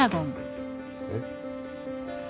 えっ？